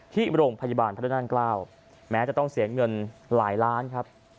ที่โรงพยาบาลพระนั่งเกล้าแม้จะต้องเสียเงินหลายล้านครับ